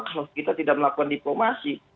kalau kita tidak melakukan diplomasi